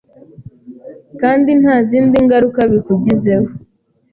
kandi nta zindi ngaruka bikugizeho,